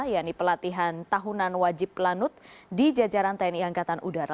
yaitu pelatihan tahunan wajib lanut di jajaran tni angkatan udara